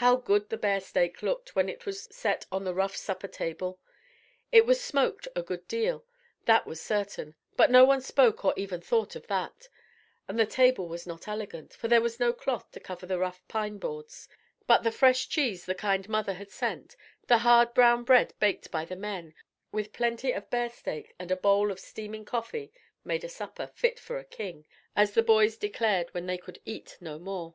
How good the bear steak looked when it was set on the rough supper table. It was smoked a good deal, that was certain; but no one spoke or even thought of that. And the table was not elegant, for there was no cloth to cover the rough pine boards. But the fresh cheese, the kind mother had sent, the hard brown bread baked by the men, with plenty of bear steak and a bowl of steaming coffee, made a supper "fit for a king," as the boys declared when they could eat no more.